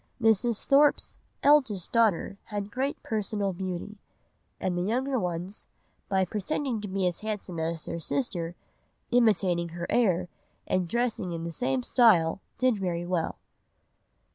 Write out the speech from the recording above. Mrs. Thorpe's "eldest daughter has great personal beauty; and the younger ones by pretending to be as handsome as their sister, imitating her air, and dressing in the same style, did very well."